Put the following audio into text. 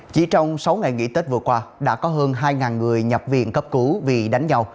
chỉ trong sáu ngày nghỉ tết vừa qua đã có hơn hai người nhập viện cấp cứu vì đánh nhau